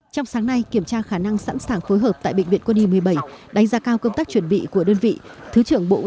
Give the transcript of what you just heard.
trong sáng nay kiểm tra khả năng sẵn sàng phối hợp tại bệnh viện quân y một mươi bảy đánh giá cao